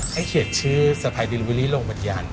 ให้เขียนชื่อสพายดินวินิโลกบัญยาน